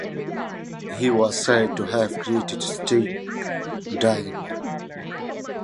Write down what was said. He was said to have created Steak Diane.